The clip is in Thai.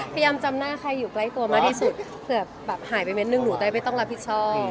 จำหน้าใครอยู่ใกล้ตัวมากที่สุดเผื่อแบบหายไปเม็ดหนึ่งหนูได้ไม่ต้องรับผิดชอบ